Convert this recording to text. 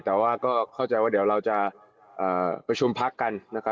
แต่ว่าก็เข้าใจว่าเดี๋ยวเราจะประชุมพักกันนะครับ